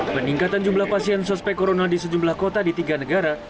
peningkatan jumlah pasien sospek corona di sejumlah kota di tiga negara